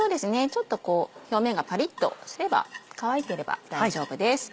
ちょっとこう表面がパリっとすれば乾いてれば大丈夫です。